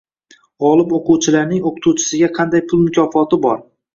Gʻolib oʻquvchilarning oʻqituvchisiga qanday pul mukofoti bor?